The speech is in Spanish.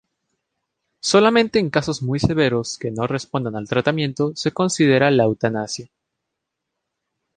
Solamente en casos muy severos, que no respondan al tratamiento, se considera la eutanasia.